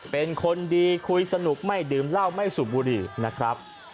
เป็นคนดีคุยสนุกไม่ดื่มเหล้าไม่สูบบุหรี่นะครับ